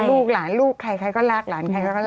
ลูกหลานลูกใครใครก็รักหลานใครเขาก็รัก